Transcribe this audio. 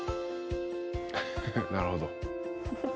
なるほど。